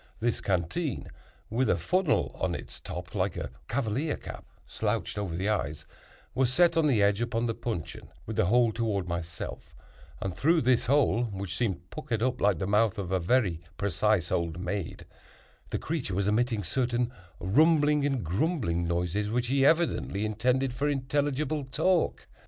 This canteen (with a funnel on its top, like a cavalier cap slouched over the eyes) was set on edge upon the puncheon, with the hole toward myself; and through this hole, which seemed puckered up like the mouth of a very precise old maid, the creature was emitting certain rumbling and grumbling noises which he evidently intended for intelligible talk.